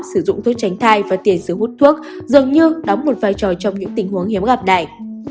sử dụng thuốc tránh thai và tiền sử hút thuốc dường như đóng một vai trò trong những tình huống hiếm gặp này